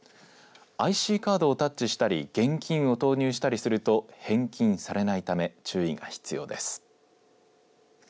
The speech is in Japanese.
ＩＣカードをタッチしたり現金を投入したりすると返金されないため注意が必要です。